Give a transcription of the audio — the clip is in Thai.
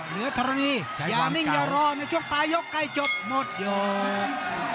เหนือทรนีอย่านิ่งอย่าร้อนในช่วงปลายกลับใกล้จบมดโยก